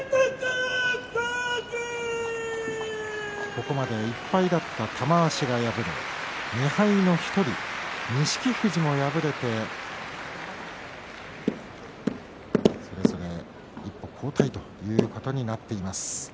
ここまで１敗だった玉鷲が敗れ２敗の１人、錦富士も敗れてそれぞれ一歩後退ということになっています。